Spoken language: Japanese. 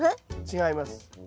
違います。